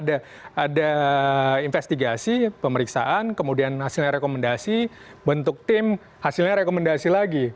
ada investigasi pemeriksaan kemudian hasilnya rekomendasi bentuk tim hasilnya rekomendasi lagi